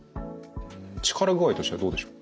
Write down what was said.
力具合としてはどうでしょうか？